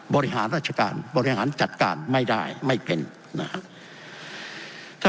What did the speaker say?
บริหารราชการบริหารจัดการไม่ได้ไม่เป็นนะครับ